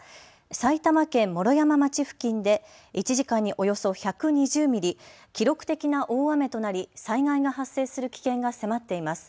埼玉県毛呂山町付近で１時間におよそ１２０ミリ、記録的な大雨となり災害が発生する危険が迫っています。